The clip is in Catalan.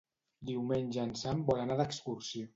Diumenge en Sam vol anar d'excursió.